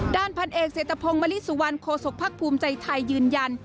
ด้านพันเอกเศรษฐพงศ์มริสุวรรณโคศกภักดิ์ภูมิใจไทยยืนยัน